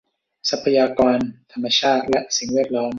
ทรัพยากรธรรมชาติและสิ่งแวดล้อม